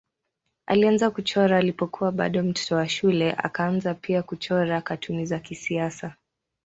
Alianza kuchora alipokuwa bado mtoto wa shule akaanza pia kuchora katuni za kisiasa.